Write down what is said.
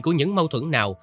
của những mâu thuẫn nào